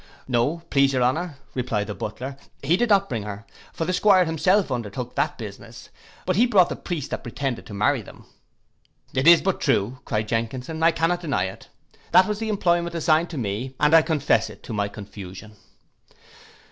'—'No, please your honour,' replied the butler, 'he did not bring her, for the 'Squire himself undertook that business; but he brought the priest that pretended to marry them.'—'It is but too true,' cried Jenkinson, 'I cannot deny it, that was the employment assigned me, and I confess it to my confusion.